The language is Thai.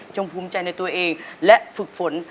ภูมิใจในตัวเองและฝึกฝน